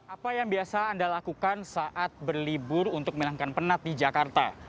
apa yang biasa anda lakukan saat berlibur untuk menghilangkan penat di jakarta